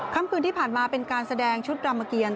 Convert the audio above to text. คำคืนที่ผ่านมาเป็นการแสดงชุดรามเกียร